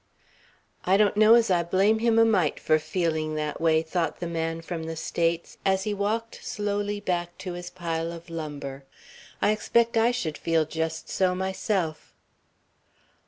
"I don't know as I blame him a mite for feeling that way," thought the man from the States, as he walked slowly back to his pile of lumber. "I expect I should feel just so myself."